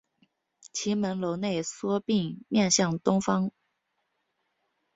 其门楼内缩并面向东北方。